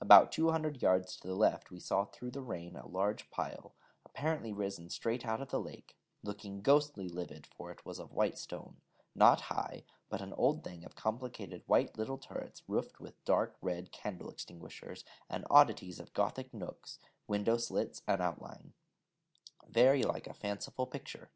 About two hundred yards to the left we saw through the rain a large pile, apparently risen straight out of the lake, looking ghostly livid, for it was of white stone, not high, but an old thing of complicated white little turrets roofed with dark red candle extinguishers, and oddities of Gothic nooks, window slits, and outline, very like a fanciful picture.